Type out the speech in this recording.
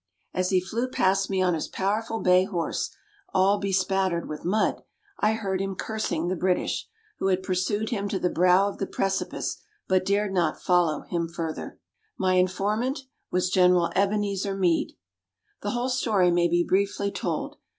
As he flew past me on his powerful bay horse, all bespattered with mud, I heard him cursing the British, who had pursued him to the brow of the precipice, but dared not follow him further." My informant was General Ebenezer Mead. The whole story may be briefly told.